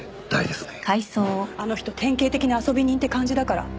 あの人典型的な遊び人って感じだから。